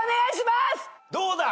どうだ？